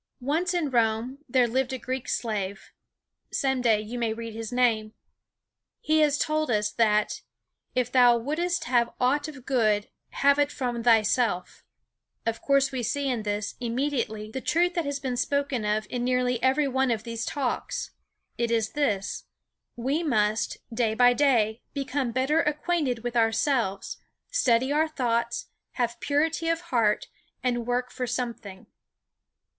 Once in Rome there lived a Greek slave some day you may read his name. He has told us, that "if thou wouldst have aught of good, have it from thyself." Of course we see in this, immediately, the truth that has been spoken of in nearly every one of these Talks. It is this: We must, day by day, become better acquainted with ourselves, study our thoughts, have purity of heart, and work for something.